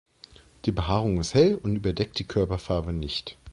Die Behaarung ist hell und überdeckt die Körperfarbe nicht.